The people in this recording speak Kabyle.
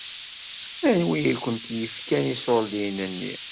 Anwi i kent-yefkan iṣuṛdiyen-nni?